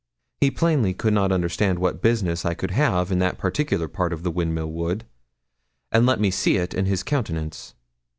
He plainly could not understand what business I could have in that particular part of the Windmill Wood, and let me see it in his countenance.